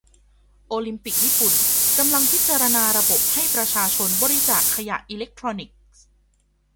โอลิมปิกญี่ปุ่นกำลังพิจาณาระบบให้ประชาชนบริจาคขยะอิเล็กทรอนิกส์